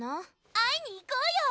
会いに行こうよ！